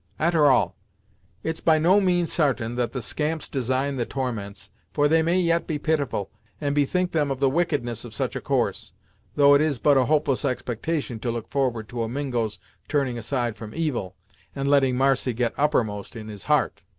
A'ter all, it's by no means sartain that the scamps design the torments, for they may yet be pitiful, and bethink them of the wickedness of such a course though it is but a hopeless expectation to look forward to a Mingo's turning aside from evil, and letting marcy get uppermost in his heart.